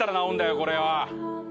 これは。